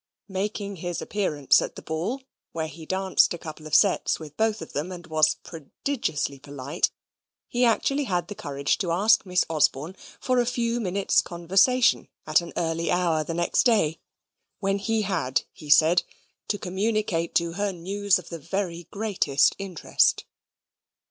Making his appearance at the ball, where he danced a couple of sets with both of them, and was prodigiously polite, he actually had the courage to ask Miss Osborne for a few minutes' conversation at an early hour the next day, when he had, he said, to communicate to her news of the very greatest interest.